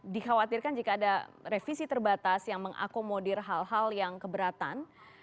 dikhawatirkan jika ada revisi terbatas yang mengakomodir hal hal yang keberatan